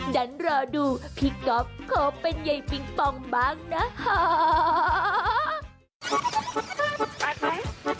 ดันรอดูพี่ก๊อบโค้กเป็นยัยปิงปองบ้างนะฮ่า